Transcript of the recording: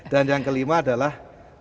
dan yang kelima adalah